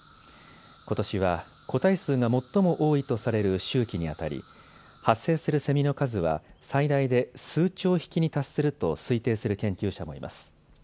ことしは個体数が最も多いとされる周期にあたり発生するセミの数は最大で数兆匹に達すると推定する研究者もいます。